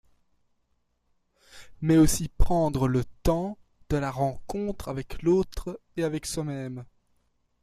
Mais aussi prendre le temps de la rencontre, avec l’autre et avec soi-même.